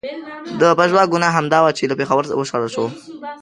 د پژواک ګناه همدا وه چې له پېښوره و شړل شو.